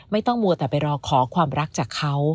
มัวแต่ไปรอขอความรักจากเขา